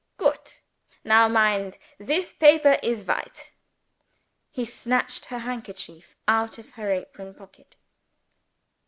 "Goot. Now mind! This paper is white," (he snatched her handkerchief out of her apron pocket).